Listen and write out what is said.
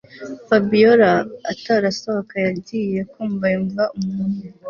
Fabiora atarasohoka yagiye kumva yumva umuntu